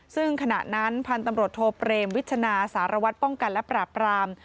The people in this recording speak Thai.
ซึ่งขณะนั้นพันธุ์ตำรวจโทเปรมวิชนาสารวัตรป้องกันและปราบราม